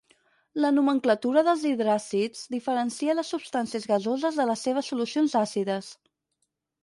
La nomenclatura dels hidràcids diferencia les substàncies gasoses de les seves solucions àcides.